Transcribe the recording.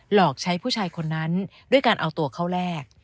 หลอกใช้ผู้ชายคนนั้นด้วยการเอาตัวเข้าแลก